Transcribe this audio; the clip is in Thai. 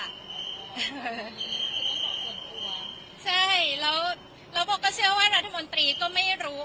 คุณต้องบอกส่วนตัวใช่แล้วแล้วโบก็เชื่อว่ารัฐมนตรีก็ไม่รู้